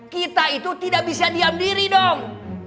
kita itu tidak bisa diam diri dong